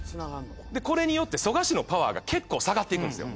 でこれによって蘇我氏のパワーが結構下がっていくんですよ。